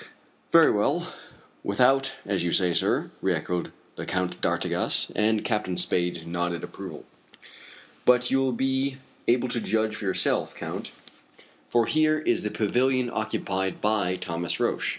"Very well without, as you say, sir," re echoed the Count d'Artigas, and Captain Spade nodded approval. "But you will be able to judge for yourself, Count, for here is the pavilion occupied by Thomas Roch.